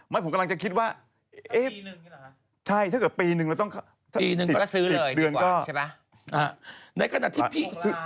ไม่ผมกำลังจะคิดว่าเอ๊ะใช่ถ้าเกิดปีนึงเราต้องปีนึงก็ซื้อเดือนกว่าใช่ไหม